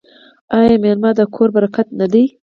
آیا میلمه د کور برکت نه دی؟